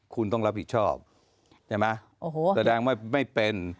คุณต้องรับผิดชอบใช่ไหมโอ้โหแสดงว่าไม่เป็น